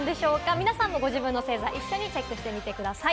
皆さんもご自分の星座、一緒にチェックしてください。